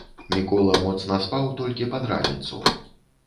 Мікола моцна спаў толькі пад раніцу.